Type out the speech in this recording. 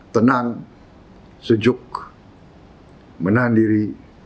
tenang sejuk menahan diri